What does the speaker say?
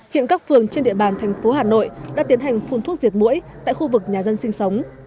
hiện các phường trên địa bàn thành phố hà nội đã tiến hành phun thuốc diệt mũi tại khu vực nhà dân sinh sống